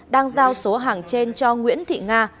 đang giao số hàng trên cho nguyễn thị nga